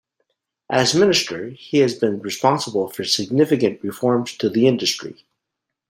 As Minister he has been responsible for significant reforms to the industry.